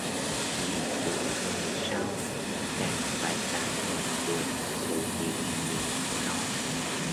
Thì chủ về sau càng phải cảm nhận được sự hiện diện của nó